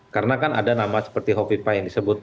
karena kan ada nama seperti hovipa yang disebut